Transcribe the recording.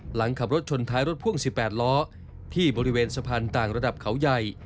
หลังขับรถชนท้ายรถพ่วง๑๘ล้อที่บริเวณสะพานต่างระดับเขาใหญ่